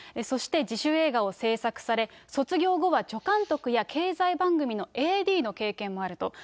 そして、自主映画を制作され、卒業後は助監督や経済番組のＡＤの経験もあると。